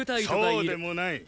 そうでもない。